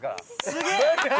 すげえ！